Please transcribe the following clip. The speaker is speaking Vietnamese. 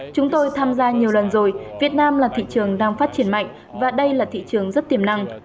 chúng tôi tham gia nhiều lần rồi việt nam là thị trường đang phát triển mạnh và đây là thị trường rất tiềm năng